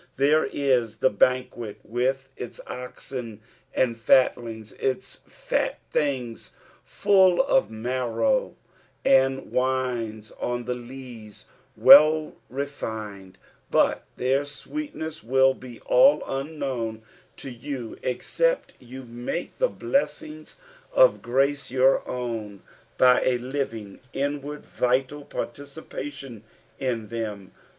There is the banquet with its oxen and fatlings ; its fat things full of marrow, and wines on the lees well refined ; but their sweetness will be all unknown to yon except you make the blessings of grace your own, by a living, inward, vital participation in them.